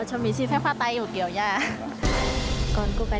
cho mình xin phép selfie một hai kiểu nữa nhé